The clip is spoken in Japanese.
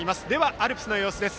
アルプスの様子です。